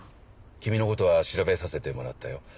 君のことは調べさせてもらったよ。